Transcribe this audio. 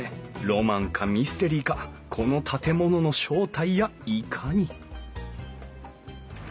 ロマンかミステリーかこの建物の正体やいかに！